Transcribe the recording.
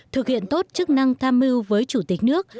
thực hiện tốt chức năng tham mưu với chủ tịch nước